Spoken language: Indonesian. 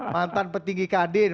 mantan petinggi kadir